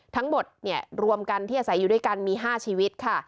ทั้งหมดรวมกันที่อาศัยอยู่ด้วยกันมี๕ชีวิตค่ะ